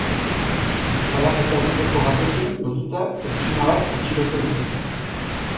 Salaketa horietako batekin lotuta, pertsona bat atxilotu dute.